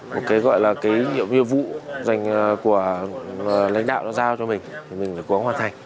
một cái gọi là cái nhiệm vụ dành của lãnh đạo nó giao cho mình thì mình phải cố gắng hoàn thành